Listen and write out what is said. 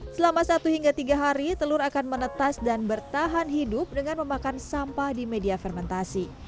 selama satu hingga tiga hari telur akan menetas dan bertahan hidup dengan memakan sampah di media fermentasi